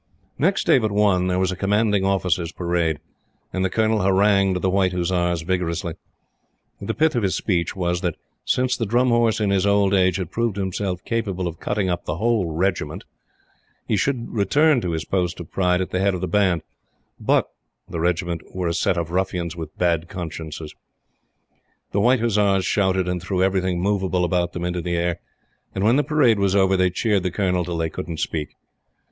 Next day but one, there was a Commanding Officer's parade, and the Colonel harangued the White Hussars vigorously. The pith of his speech was that, since the Drum Horse in his old age had proved himself capable of cutting up the Whole Regiment, he should return to his post of pride at the head of the band, BUT the Regiment were a set of ruffians with bad consciences. The White Hussars shouted, and threw everything movable about them into the air, and when the parade was over, they cheered the Colonel till they couldn't speak.